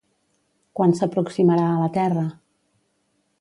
Quan s'aproximarà a la Terra?